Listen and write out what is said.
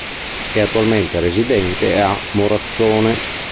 È attualmente residente a Morazzone.